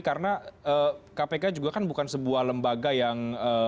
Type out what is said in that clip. karena kpk juga kan bukan sebuah lembaga yang